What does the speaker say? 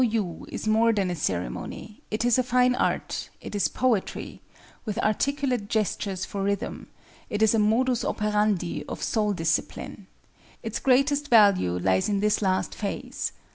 ] Cha no yu is more than a ceremony—it is a fine art; it is poetry, with articulate gestures for rhythm: it is a modus operandi of soul discipline. Its greatest value lies in this last phase.